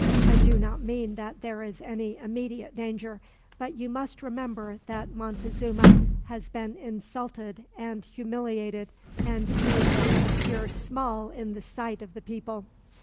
I do not mean that there is any immediate danger, but you must remember that Montezuma has been insulted and humiliated, and made to appear small in the sight of the people.